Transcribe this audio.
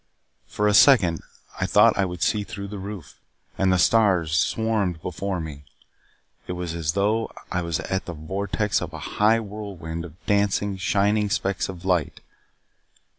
For a second I thought I could see through the roof, and the stars swarmed before me. It was as though I was at the vortex of a high whirlwind of dancing, shining specks of light.